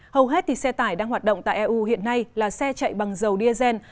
hầu hết thì xe tải đang hoạt động tại eu hiện nay là xe chạy bằng dầu diesel